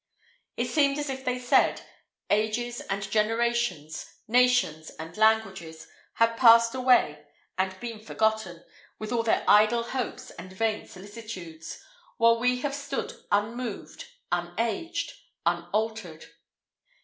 It seemed as if they said, "Ages and generations, nations and languages, have passed away and been forgotten, with all their idle hopes and vain solicitudes, while we have stood unmoved, unaged, unaltered.